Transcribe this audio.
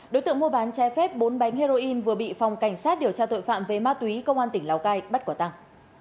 đối tượng mua bán trái phép bốn bánh heroin vừa bị phòng cảnh sát điều tra tội phạm về ma túy công an tỉnh lào cai bắt quả tàng